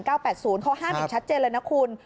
เขาห้ามอย่างชัดเจนเลยนะคุณ